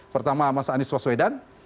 pertama mas anies waswedan